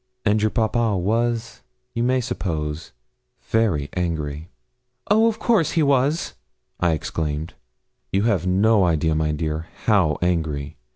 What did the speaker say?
'And your papa was, you may suppose, very angry.' 'Of course he was,' I exclaimed. 'You have no idea, my dear, how angry.